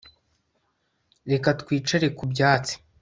Reka twicare ku byatsi